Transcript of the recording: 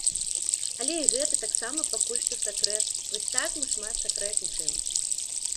Але і гэта таксама пакуль што сакрэт, вось так мы шмат сакрэтнічаем.